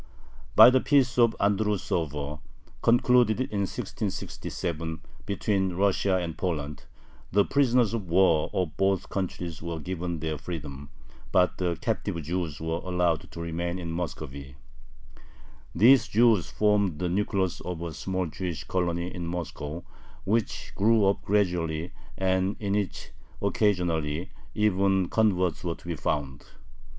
By the Peace of Andrusovo, concluded in 1667 between Russia and Poland, the prisoners of war of both countries were given their freedom, but the captive Jews were allowed to remain in Muscovy. These Jews formed the nucleus of a small Jewish colony in Moscow, which grew up gradually, and in which occasionally even converts were to be found.